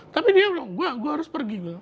tapi dia bilang gue harus pergi gue